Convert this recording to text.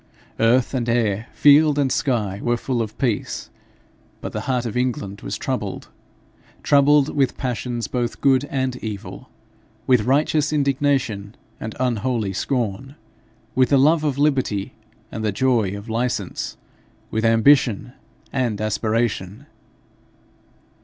Earth and air, field and sky were full of peace. But the heart of England was troubled troubled with passions both good and evil with righteous indignation and unholy scorn, with the love of liberty and the joy of license, with ambition and aspiration.